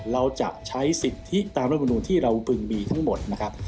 เราจะใช้สิทธิตามรัฐมนุนที่เราพึงมีทั้งหมดนะครับ